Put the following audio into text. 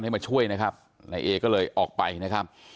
ให้มาช่วยนะครับนายเอก็เลยออกไปนะครับ